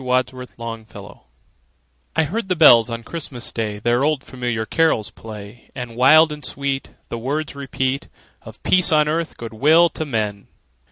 CHRISTMAS BELLS I heard the bells on Christmas Day Their old, familiar carols play, And wild and sweet The words repeat Of peace on earth, good will to men!